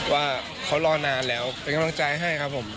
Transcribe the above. ว่าเขารอนานแล้วเป็นกำลังใจให้ครับผม